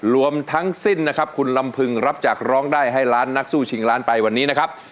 รวมทั้งสิ้นนะครับคุณลำพึงรับจากร้องได้ให้ล้านนักสู้ชิงล้านไปวันนี้นะครับ